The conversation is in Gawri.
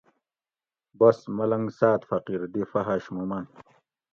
بس ملنگ ساد فقیر دی فحش مُو مۤن